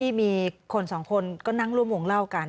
มีคนสองคนก็นั่งร่วมวงเล่ากัน